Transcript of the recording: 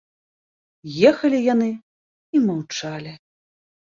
Ехалі яны і маўчалі.